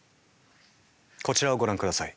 こちらをご覧ください。